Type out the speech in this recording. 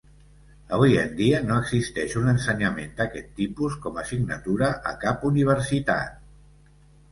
Avui en dia no existeix un ensenyament d'aquest tipus com assignatura a cap Universitat.